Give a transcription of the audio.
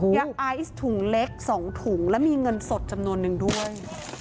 ยาไอซ์ถุงเล็ก๒ถุงและมีเงินสดจำนวนนึงด้วย